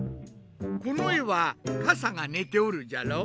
このえは傘が寝ておるじゃろ。